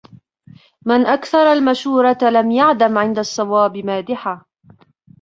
مَنْ أَكْثَرَ الْمَشُورَةَ لَمْ يَعْدَمْ عِنْدَ الصَّوَابِ مَادِحًا